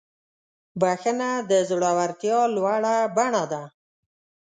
بخښنه د زړورتیا لوړه بڼه ده.